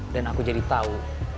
dan aku jadi tau